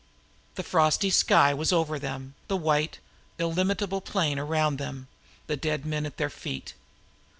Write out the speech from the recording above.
The frosty sky was over them, the white illimitable plain around them, the dead men at their feet.